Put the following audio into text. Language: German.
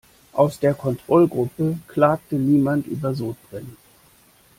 Aus der Kontrollgruppe klagte niemand über Sodbrennen.